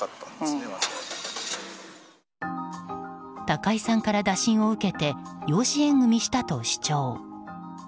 高井さんから打診を受けて養子縁組したと主張。